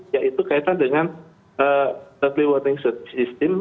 yaitu kaitan dengan early warning system